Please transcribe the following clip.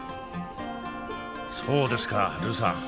そうですかルーさん。